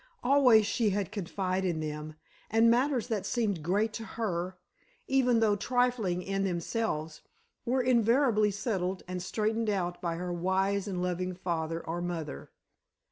Always she had confided in them, and matters that seemed great to her, even though trifling in themselves, were invariably settled and straightened out by her wise and loving father or mother.